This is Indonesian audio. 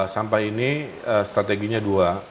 sampah ini strateginya dua